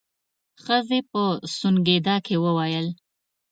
ښځې په سونګېدا کې وويل.